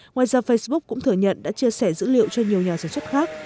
ngoài ra facebook cũng thừa nhận đã chia sẻ dữ liệu cho nhiều nhà sản xuất khác